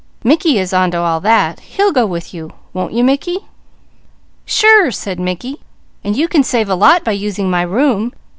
Mickey is on to all that; he'll go with you, won't you Mickey?" "Sure!" said Mickey. "And you can save a lot by using my room.